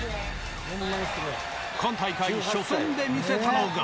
今大会、初戦で見せたのが。